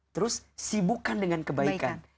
terus sibukkan dengan kebaikan